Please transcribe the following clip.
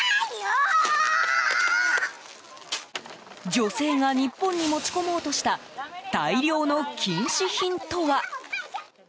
女性が日本に持ち込もうとした大量の禁止品とは。